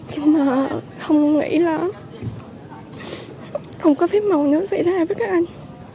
nhưng mà không nghĩ là không có phép màu nó xảy ra với các anh